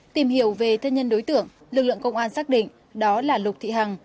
tìm hiểu về thân nhân đối tượng lực lượng công an xác định đó là lục thị hằng